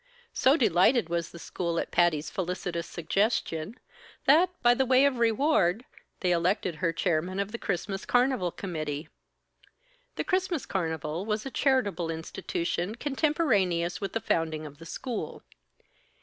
So delighted was the school at Patty's felicitous suggestion, that, by way of reward, they elected her chairman of the Christmas Carnival Committee. The Christmas Carnival was a charitable institution contemporaneous with the founding of the school.